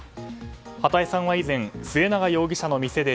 波多江さんは以前末永容疑者の店で